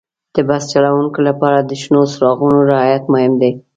د بس چلوونکي لپاره د شنو څراغونو رعایت مهم دی.